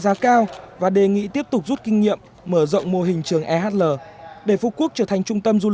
giá cao và đề nghị tiếp tục rút kinh nghiệm mở rộng mô hình trường ehl để phú quốc trở thành trung tâm du